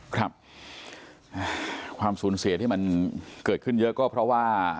ครับความสูญเสียที่มันเกิดขึ้นเยอะก็เพราะว่า